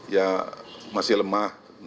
ya masih lemah